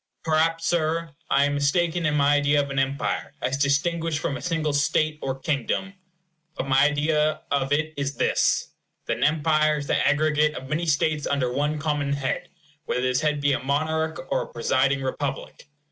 Perhaps, Sir, I am mistaken in my idea of an empire, as distinguished from a single state or kingdom. But my idea of it is this; that an empire is the aggregate of many states under one common head, whether this head be a monarch or a presiding republic.